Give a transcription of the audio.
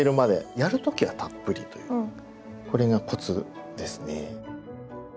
やる時はたっぷりというこれがコツですね。